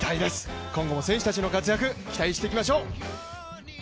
今後も選手たちの活躍期待していきましょう。